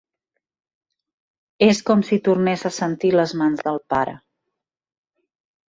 És com si tornés a sentir les mans del pare.